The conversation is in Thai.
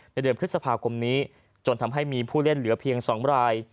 เดือนพฤษภาคมนี้จนทำให้มีผู้เล่นเหลือเพียง๒ราย